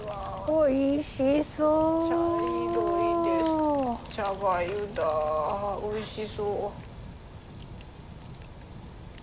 わっおいしそう！